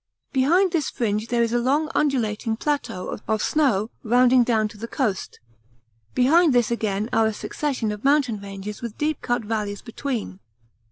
Behind this fringe there is a long undulating plateau of snow rounding down to the coast; behind this again are a succession of mountain ranges with deep cut valleys between.